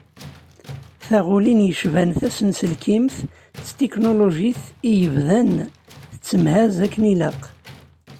Taɣulin yecban tasenselkimt d tetiknulujit i yebdan tettemhaz akken ilaq.